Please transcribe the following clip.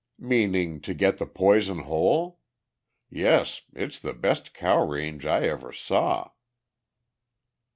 "Meaning to get the Poison Hole? Yes. It's the best cow range I ever saw."